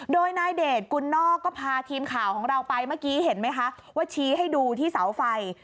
โดยนายเดชกุลนอกก็พาทีมข่าวของเราไปเมื่อกี้เห็นไหมคะว่าชี้ให้ดูที่เสาไฟ